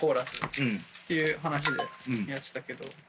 うん。という話でやってたけど。